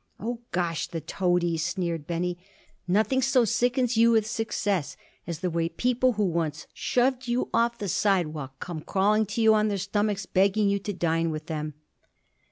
"Oh, Gosh! the toadies!" sneered Benny. "Nothing so sickens you with success as the way people who once shoved you off the sidewalk come crawling to you on their stomachs begging you to dine with them."